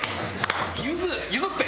ゆずゆずっぺ！